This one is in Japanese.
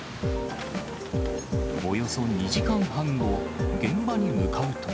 およそ２時間半後、現場に向かうと。